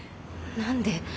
何で？